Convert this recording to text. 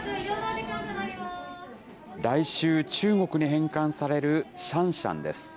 来週、中国に返還されるシャンシャンです。